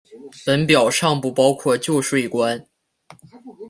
本表尚不包括旧税关。